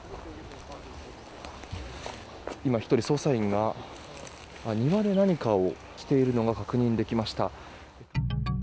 今１人、捜査員が庭で何かをしているのが確認できました。